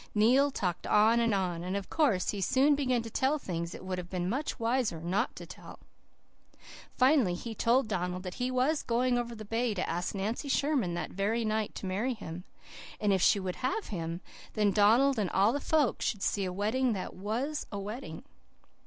Neil talked on and on, and of course he soon began to tell things it would have been much wiser not to tell. Finally he told Donald that he was going over the bay to ask Nancy Sherman that very night to marry him. And if she would have him, then Donald and all the folks should see a wedding that WAS a wedding.